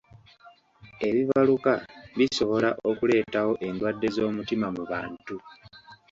Ebibaluka bisobola okuleetawo endwadde z'omutima mu bantu.